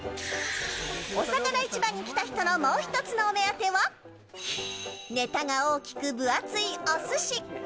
おさかな市場に来た人のもう一つのお目当てはネタが大きく分厚いおすし。